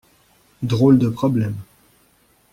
Drôle de problème!